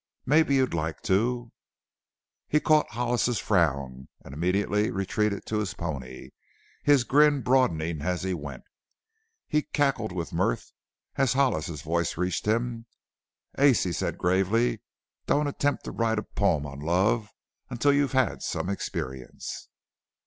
Mebbe you'd like to " He caught Hollis's frown and immediately retreated to his pony, his grin broadening as he went. He cackled with mirth as Hollis's voice reached him. "Ace," he said gravely, "don't attempt to write a poem on 'Love' until you've had some experience."